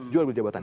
jual beli jabatan